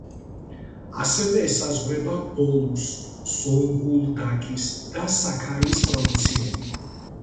ასევე ესაზღვრება ბოლუს, ზონგულდაქის და საქარიის პროვინციები.